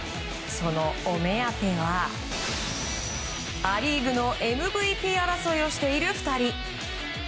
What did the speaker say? そのお目当ては、ア・リーグのＭＶＰ争いをしている２人。